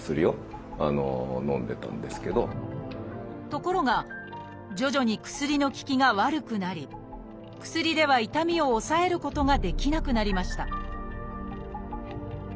ところが徐々に薬の効きが悪くなり薬では痛みを抑えることができなくなりました